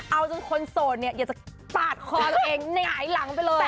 เอาจนคนโสดเนี่ยอยากจะปาดคอตัวเองหงายหลังไปเลย